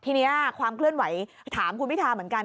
ทีนี้ความเคลื่อนไหวถามคุณพิทาเหมือนกัน